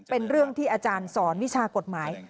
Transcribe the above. เป็นเรื่องที่อาจารย์สอนวิชากฎหมาย